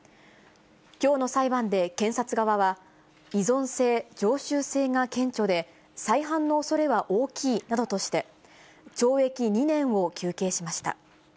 きょうの裁判で検察側は、依存性、常習性が顕著で、再犯のおそれは大きいなどとして、懲役２年を求刑しました。